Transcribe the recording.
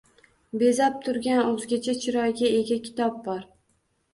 “Bezab” turgan o’zgacha chiroyga ega kitob bor.